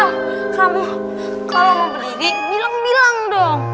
eka kamu kalau mau berdiri bilang bilang dong